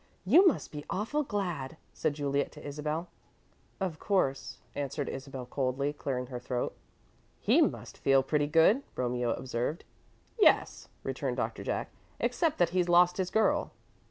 "You must be awful glad," said Juliet, to Isabel. "Of course," answered Isabel, coldly, clearing her throat. "He must feel pretty good," Romeo observed. "Yes," returned Doctor Jack, "except that he's lost his girl."